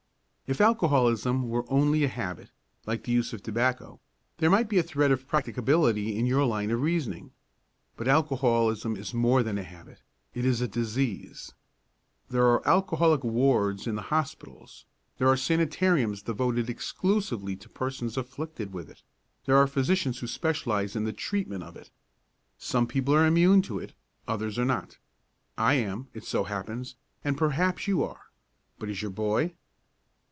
If alcoholism were only a habit, like the use of tobacco, there might be a thread of practicability in your line of reasoning. But alcoholism is more than a habit it is a disease. There are alcoholic wards in the hospitals, there are sanitariums devoted exclusively to persons afflicted with it, there are physicians who specialise in the treatment of it. Some people are immune to it; others are not. I am, it so happens, and perhaps you are but is your boy?